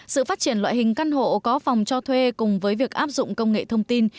sự phát triển loại hình căn hộ có phòng cho thuê cùng với việc áp dụng công nghệ thông tin